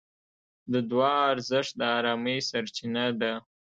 د دعا ارزښت د ارامۍ سرچینه ده.